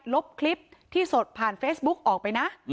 ลบคลิปที่สดผ่านเฟซบุ๊กออกไปนะ